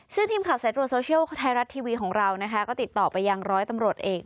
ซึ่งทีมข่าวสายตรวจโซเชียลไทยรัฐทีวีของเรานะคะก็ติดต่อไปยังร้อยตำรวจเอก